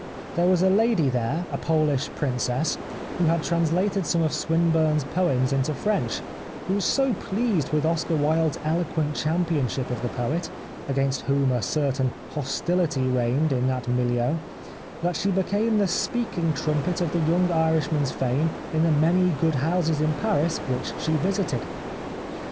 There was a lady there, a Polish princess, who had translated some of Swinburne's poems into French, who was so pleased with Oscar Wilde's eloquent championship of the poet, against whom a certain hostility reigned in that milieu, that she became the speaking trumpet of the young Irishman's fame in the many good houses in Paris which she visited.